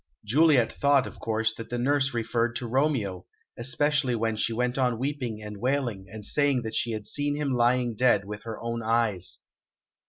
Juliet thought, of course, that the nurse referred to Romeo, especially when she went on weeping and wailing and saying that she had seen him lying dead with her own eyes.